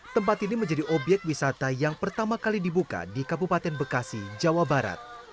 tempat ini menjadi obyek wisata yang pertama kali dibuka di kabupaten bekasi jawa barat